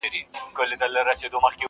هله هله د سپوږمۍ پر لوري یون دی,